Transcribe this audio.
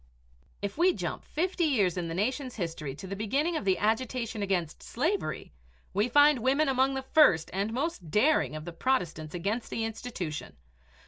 If we jump fifty years in the nation's history to the beginning of the agitation against slavery, we find women among the first and most daring of the protestants against the institution.